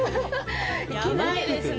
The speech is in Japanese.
やばいですね。